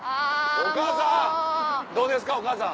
お母さんどうですかお母さん。